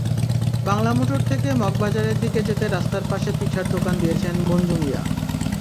বাংলামোটর থেকে মগবাজারের দিকে যেতে রাস্তার পাশে পিঠার দোকান দিয়েছেন মঞ্জু মিয়া।